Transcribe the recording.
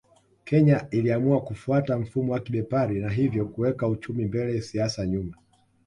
Kenya iliamua kufuata mfumo wa kibepari na hivyo kuweka uchumi mbele siasa nyuma